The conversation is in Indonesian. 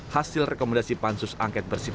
hasil rekomendasi pansus hak angket dpr terhadap kpk